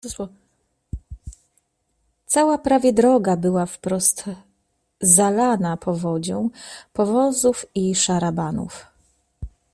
"Cała prawie droga była wprost zalana powodzią powozów i szarabanów."